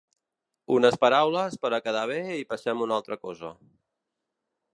Unes paraules per a quedar bé i passem a una altra cosa.